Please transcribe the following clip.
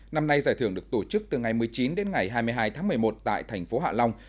năm nay giải thưởng được tổ chức từ ngày một mươi chín đến ngày hai mươi hai tháng một mươi một tại thành phố hạ long